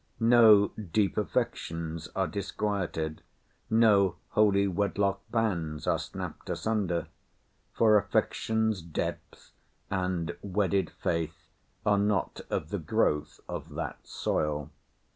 No deep affections are disquieted,—no holy wedlock bands are snapped asunder,—for affection's depth and wedded faith are not of the growth of that soil.